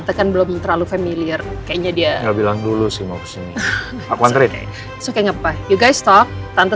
juga gak diangkat sian oke